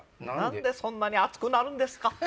なんでそんなに熱くなるんですか。